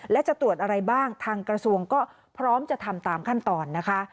และจะตรวจอะไรบ้างทางกระทรวงก็พร้อมจะทำตามขั้นตอนนะคะ